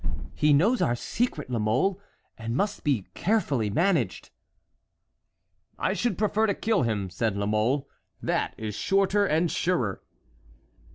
He knows our secret, La Mole, and must be carefully managed." "I should prefer to kill him," said La Mole; "that is shorter and surer."